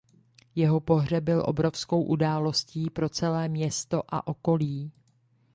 Jeho pohřeb byl obrovskou událostí pro celé město a okolí.